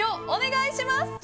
お願いします。